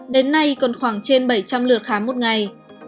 đến nay còn khoảng trên bảy trăm linh lượt khám một ngày